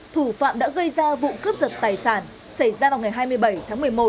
thủ phạm đã gây ra vụ cướp giật tài sản xảy ra vào ngày hai mươi bảy tháng một mươi một